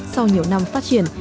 sau nhiều năm phát triển